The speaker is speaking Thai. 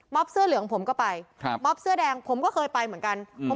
เสื้อเหลืองผมก็ไปครับม็อบเสื้อแดงผมก็เคยไปเหมือนกัน